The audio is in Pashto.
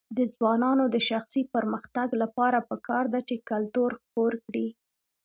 د ځوانانو د شخصي پرمختګ لپاره پکار ده چې کلتور خپور کړي.